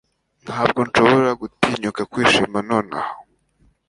Ntabwo nshobora gutinyuka kwishima nonaha